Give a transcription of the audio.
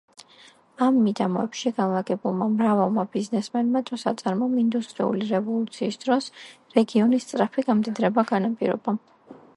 ამ მიდამოებში განლაგებულმა მრავალმა ბიზნესმა თუ საწარმომ ინდუსტრიული რევოლუციის დროს რეგიონის სწრაფი გამდიდრება განაპირობა.